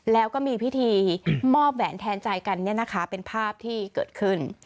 แล้วก็มีพิธีมอบแหวนแทนใจกันเนี่ยนะคะเป็นภาพที่เกิดขึ้น